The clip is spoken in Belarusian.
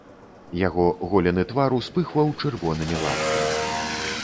Яго голены твар успыхваў чырвонымі латкамі.